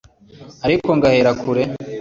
ariko ngahera kure